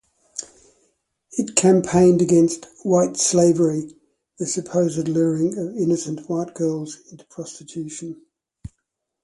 It campaigned against "white slavery" (the supposed luring of innocent white girls into prostitution).